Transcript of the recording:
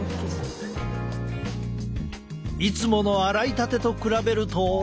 いつもの洗いたてと比べると。